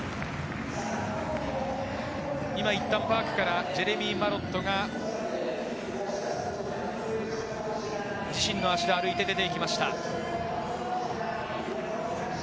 今、いったんパークからジェレミー・マロットが自身の足で歩いて出ていきました。